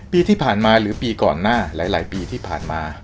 ปีที่ผ่านมาหรือปีก่อนหน้าหลายปีที่ผ่านมา